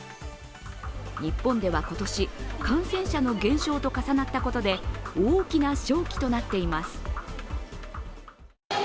日本では今年、感染者の減少と重なったことで大きな商機となっています。